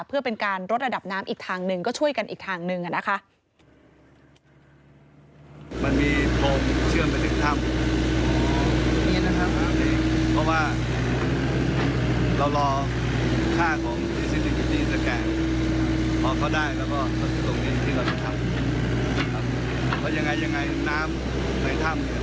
เพื่อเอาน้ำจากถ้ำออกมาให้ได้